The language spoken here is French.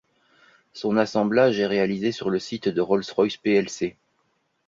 Son assemblage est réalisé sur le site de Rolls-Royce Plc.